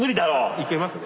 いけますね。